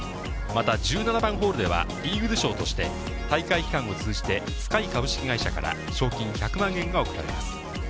また、１７番ホールではイーグル賞として、大会期間を通じてスカイ株式会社から賞金１００万円が贈られます。